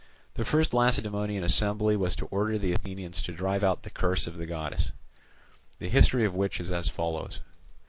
The first Lacedaemonian embassy was to order the Athenians to drive out the curse of the goddess; the history of which is as follows.